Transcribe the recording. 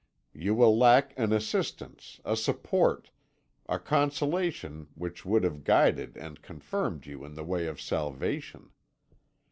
You will lack an assistance, a support, a consolation which would have guided and confirmed you in the way of salvation.